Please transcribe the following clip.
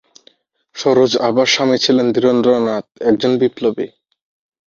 সরোজ আভার স্বামী ছিলেন ধীরেন্দ্রনাথ একজন বিপ্লবী।